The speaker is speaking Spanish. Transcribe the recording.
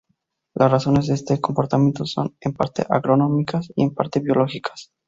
Las razones de este comportamiento son en parte agronómicas y en parte biológicas.